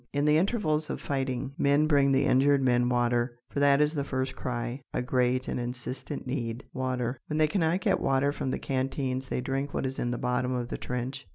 In the intervals of fighting, men bring the injured men water. For that is the first cry a great and insistent need water. When they cannot get water from the canteens they drink what is in the bottom of the trench.